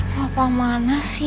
sampai jumpa lagi